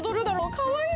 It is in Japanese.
かわいい。